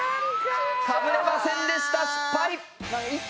かぶれませんでした！